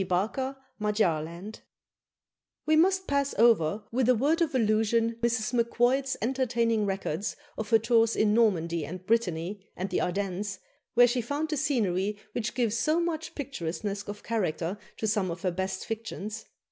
" We must pass over with a word of allusion Mrs. Macquoid's entertaining records of her tours in Normandy and Brittany, and the Ardennes, where she found the scenery which gives so much picturesqueness of character to some of her best fictions.